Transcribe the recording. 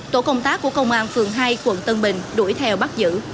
tổ công tác của công an phường hai quận tân bình đuổi theo bắt giữ